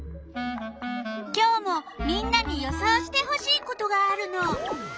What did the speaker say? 今日もみんなに予想してほしいことがあるの。